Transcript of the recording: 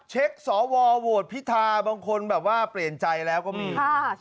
เช็คสอวัวโวชน์พิทาบางคนแบบว่าเปลี่ยนใจแล้วก็มี